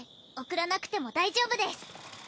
送らなくても大丈夫です。